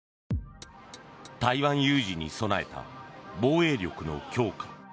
台湾有事に備えた防衛力の強化。